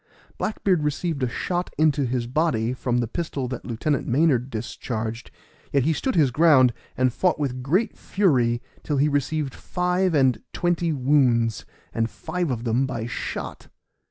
Black beard received a shot into his body from the pistol that Lieutenant Maynard discharged, yet he stood his ground, and fought with great fury till he received five and twenty wounds, and five of them by shot.